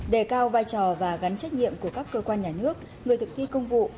đề cao vai trò và gắn trách nhiệm của các cơ quan nhà nước người thực thi công vụ